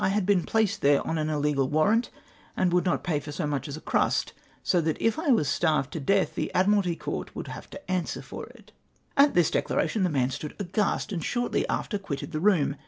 I had been placed there on an illegal warrant, and woidd not pay for so much as a crust ; so that if I was starved to death, the Admu'alty Court would have to answer for it." At this declaration the man stood aghast, and shortly after quitted the room.